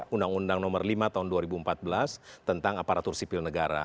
undang undang nomor lima tahun dua ribu empat belas tentang aparatur sipil negara